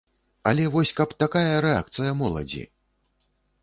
Але вось каб такая рэакцыя моладзі!?